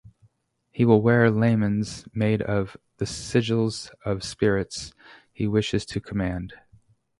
He will wear lamens made of the sigils of spirits he wishes to command.